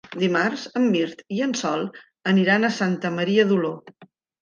Dimarts en Mirt i en Sol aniran a Santa Maria d'Oló.